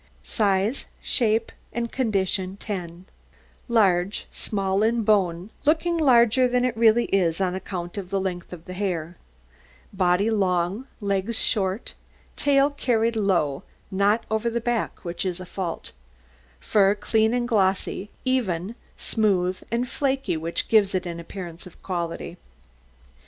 SIZE, SHAPE, AND CONDITION 10 Large, small in bone, looking larger than it really is on account of the length of the hair; body long, legs short; tail carried low, not over the back, which is a fault; fur clean and glossy, even, smooth, and flakey, which gives an appearance of quality.